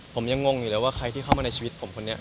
ผมยังงงอยู่แล้วว่าใครที่เข้ามาในชีวิตผมคนนี้